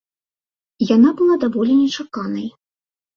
Яна была даволі нечаканай.